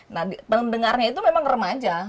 nah pendengarnya itu memang remaja